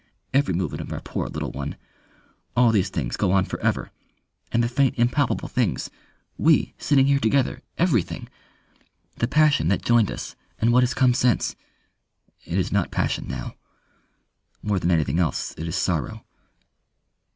every movement of our poor little one ... All these things go on for ever. And the faint impalpable things. We, sitting here together. Everything ... "The passion that joined us, and what has come since. It is not passion now. More than anything else it is sorrow.